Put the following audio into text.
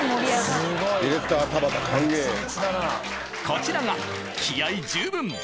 こちらが気合い十分！